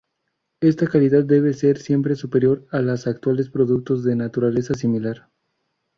Esta calidad debe ser siempre superior a los actuales productos de naturaleza similar.